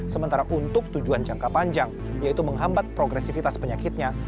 sementara untuk tujuan jangka panjang yaitu menghambat progresivitas penyakitnya